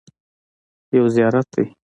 یو زیارت دی.